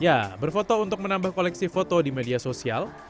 ya berfoto untuk menambah koleksi foto di media sosial